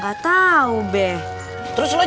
kenapa sih lo